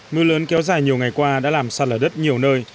mưa lớn kéo dài nhiều ngày qua đã làm sạt lở đất nhiều nơi